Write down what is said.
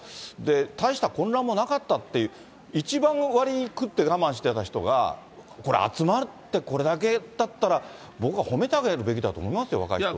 大した混乱もなかったって、一番割り食って我慢してた人が、これ、集まるって、これだけだったら、僕は褒めてあげるべきだと思いますよ、若い人を。